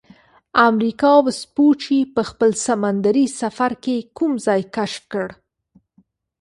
امریکا سپوچي په خپل سمندي سفر کې کوم ځای کشف کړ؟